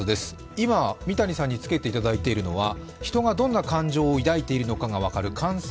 今三谷さんに着けていただいているのは人がどんな感情を抱いているのかが分かる感性